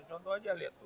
contoh aja lihat tuh